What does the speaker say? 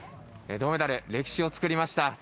銅メダル、歴史を作りました。